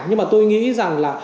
nhưng mà tôi nghĩ rằng là